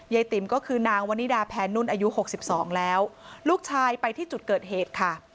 ยายติ๋มก็คือนางวณิดาแพนนุนอายุ๖๒แล้วลูกชายไปที่จุดเกิดเหตุค่ะ